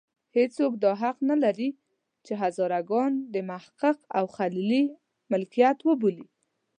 هېڅوک دا حق نه لري چې هزاره ګان د محقق او خلیلي ملکیت وبولي.